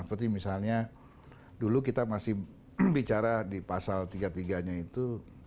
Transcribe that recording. seperti misalnya dulu kita masih bicara di pasal tiga tiganya itu